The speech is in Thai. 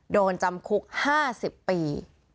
โดนจำคุก๕๐ปี